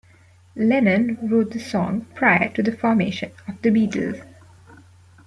Lennon wrote the song prior to the formation of the Beatles.